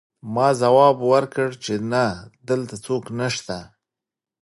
ما ځواب ورکړ چې نه دلته څوک نشته